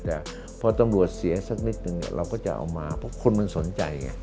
แต่พอตำรวจเสียสักนิดนึงเราก็จะเอามาเพราะคนมันสนใจไง